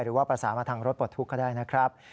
หรือว่าประสานมาทางรถปลดทุกข์ก็ได้นะครับ